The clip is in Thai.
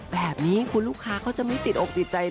แบบนี้คุณลูกค้าก็จะไม่ติดอกติใจแล้ว